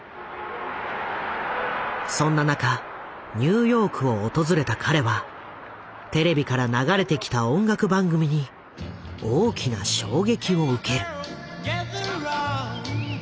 そんな中ニューヨークを訪れた彼はテレビから流れてきた音楽番組に大きな衝撃を受ける。